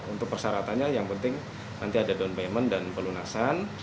untuk persyaratannya yang penting nanti ada donpayment dan pelunasan